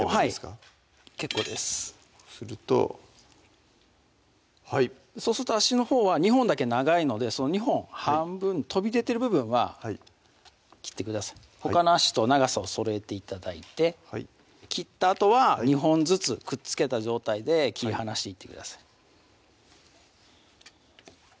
はい結構ですするとはいそうすると足のほうは２本だけ長いのでその２本半分飛び出てる部分は切ってくださいほかの足と長さをそろえて頂いて切ったあとは２本ずつくっつけた状態で切り離していってください